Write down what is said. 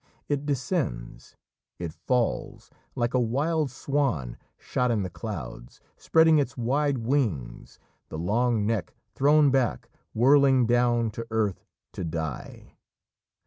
It descends, it falls like a wild swan shot in the clouds, spreading its wide wings, the long neck thrown back, whirling down to earth to die.